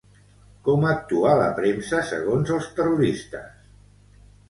Com actua la premsa, segons els terroristes?